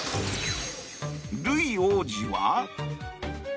ルイ王子は？